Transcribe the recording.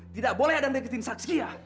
tidak boleh ada yang deketin saksinya